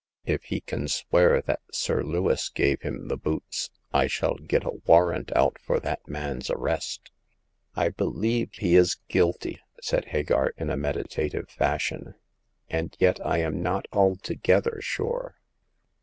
If he can swear that Sir Lewis gave him the boots, I shall get a warrant out for that man's arrest." I believe he is guilty," said Hagar, in a med itative fashion, and yet I am not altogether sure."